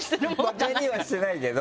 バカにはしてないけど。